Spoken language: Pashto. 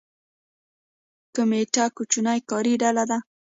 کمیټه کوچنۍ کاري ډله ده